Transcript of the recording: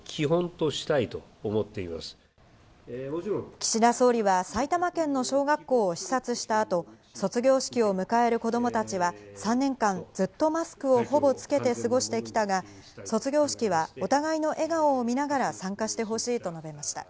岸田総理は埼玉県の小学校を視察したあと、卒業式を迎える子供たちは、３年間ずっとマスクをほぼつけて過ごしてきたが、卒業式はお互いの笑顔を見ながら参加してほしいと述べました。